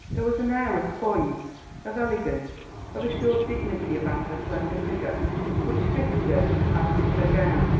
There was an air of poise, of elegance, of assured dignity about her slender figure which fitted her as did her gown.